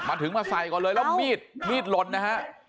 มาถึงมาใส่ก่อนเลยแล้วมีดมีดหล่นนะฮะ